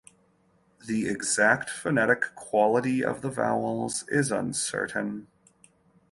The exact phonetic quality of the vowels is uncertain.